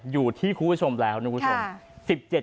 อยู่ที่คุณผู้ชมแล้วนะคุณผู้ชม